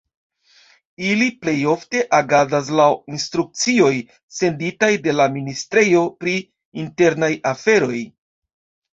Ili plejofte agadas laŭ la instrukcioj senditaj de la ministrejo pri internaj aferoj.